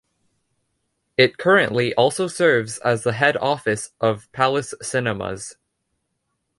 It currently also serves as the head office of Palace Cinemas.